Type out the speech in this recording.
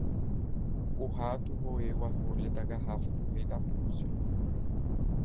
O rato roeu a rolha da garrafa do rei da Rússia.